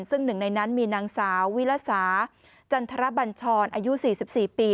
ซึ่งหนึ่งในนั้นมีนางสาววิลสาจันทรบัญชรอายุ๔๔ปี